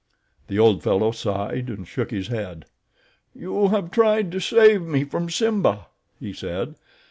The old fellow sighed and shook his head. "You have tried to save me from Simba," he said.